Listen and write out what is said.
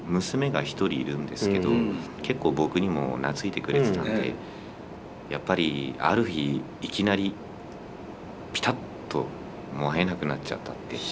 娘が一人いるんですけど結構僕にも懐いてくれてたのでやっぱりある日いきなりピタッともう会えなくなっちゃったって。